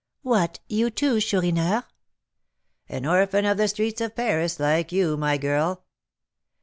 "What! you, too, Chourineur?" "An orphan of the streets of Paris like you, my girl."